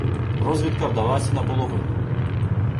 Розвідка вдалася наполовину.